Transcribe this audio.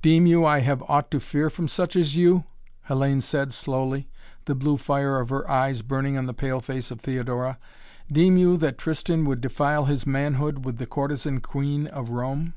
"Deem you, I have aught to fear from such as you?" Hellayne said slowly, the blue fire of her eyes burning on the pale face of Theodora. "Deem you, that Tristan would defile his manhood with the courtesan queen of Rome?"